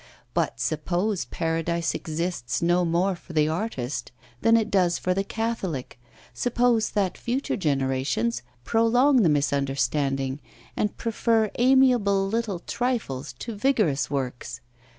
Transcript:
But suppose Paradise exists no more for the artist than it does for the Catholic, suppose that future generations prolong the misunderstanding and prefer amiable little trifles to vigorous works!